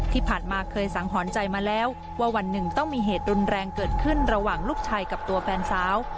ที่ผ่านมาเคยสังหรณ์ใจมาแล้วว่าวันหนึ่งต้องมีเหตุรุนแรงเกิดขึ้นระหว่างลูกชายกับตัวแฟนสาว